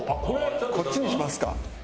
こっちにしますか。